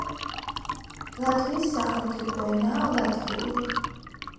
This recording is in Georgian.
ლატვიის სახელმწიფო ენაა ლატვიური.